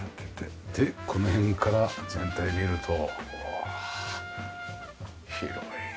でこの辺から全体見るとわあ広いなあ。